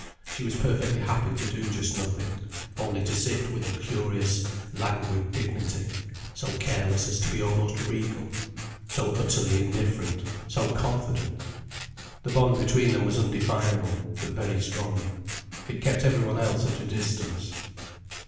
She was perfectly happy to do just nothing, only to sit with a curious, languid dignity, so careless as to be almost regal, so utterly indifferent, so confident. The bond between them was undefinable, but very strong. It kept everyone else at a distance.